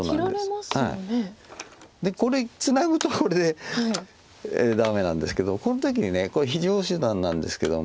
でこれツナぐとこれでダメなんですけどもこの時にこれ非常手段なんですけども。